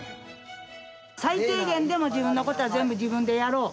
最低限でも自分のことは全部自分でやろう。